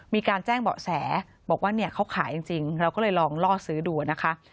มีการแจ้งเบาะแสบอกว่าเนี่ยเขาขายจริงเราก็เลยลองล่อซื้อดูนะคะ